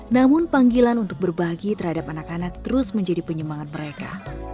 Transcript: namun panggilan untuk berbagi terhadap anak anak terus menjadi penyemangat mereka